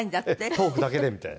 「トークだけで」みたいな。